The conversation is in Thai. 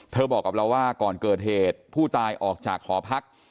บอกกับเราว่าก่อนเกิดเหตุผู้ตายออกจากหอพัก